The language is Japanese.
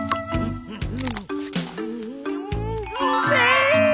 うめえ！